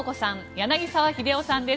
柳澤秀夫さんです。